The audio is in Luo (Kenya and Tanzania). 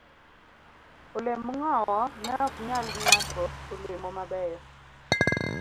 D. Olemb ng'owo ne ok nyal nyago olemo mabeyo.